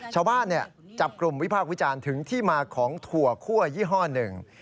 ชาวบ้านจับกลุ่มวิพากษ์วิจารณ์ถึงที่มาของถั่วคั่วยี่ห้อหนึ่ง